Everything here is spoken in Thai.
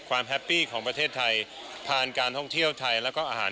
แฮปปี้ของประเทศไทยผ่านการท่องเที่ยวไทยแล้วก็อาหาร